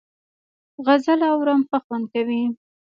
غزل اورم ښه خوند کوي .